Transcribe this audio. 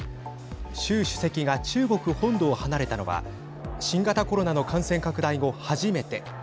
習主席が中国本土を離れたのは新型コロナの感染拡大後初めて。